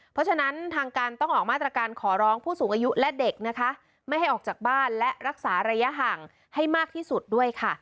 เพราะฉะนั้นทางการต้องออกมาตรการขอร้องผู้สูงอายุและเด็กนะคะไม่ให้ออกจากบ้านและรักษาระยะห่างให้มากที่สุดด้วยค่ะ